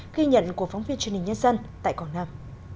ghi nhận của phóng viên truyền hình nhân dân tại quảng nam